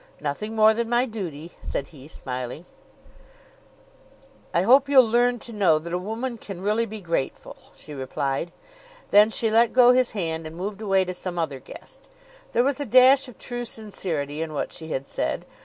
"Nothing more than my duty," said he, smiling. "I hope you'll learn to know that a woman can really be grateful," she replied. Then she let go his hand and moved away to some other guest. There was a dash of true sincerity in what she had said.